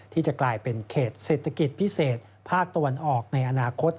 ที่จะกลายเป็นเขตเศรษฐกิจพิเศษภาคตะวันออกในอนาคต